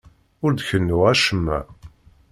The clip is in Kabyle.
Ur d-kennuɣ acemma.